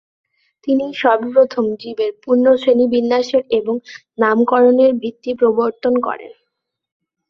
তিনিই সর্বপ্রথম জীবের পূর্ণ শ্রেণিবিন্যাসের এবং নামকরণের ভিত্তি প্রবর্তন করেন।